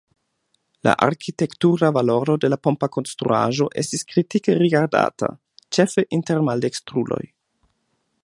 La arkitektura valoro de la pompa konstruaĵo estis kritike rigardata, ĉefe inter maldekstruloj.